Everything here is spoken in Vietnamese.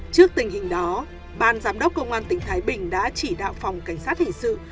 trước tình hình đó ban giám đốc công an tỉnh thái bình đã chỉ đạo phòng cảnh sát hình sự